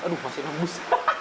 aduh masih nambus